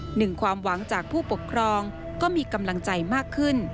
หนึ่งความหวังจากผู้ปกครองก็มีกำลังใจมากขึ้น